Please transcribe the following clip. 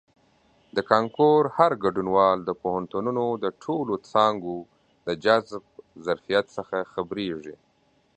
د کانکور هر ګډونوال د پوهنتونونو د ټولو څانګو د جذب ظرفیت څخه خبریږي.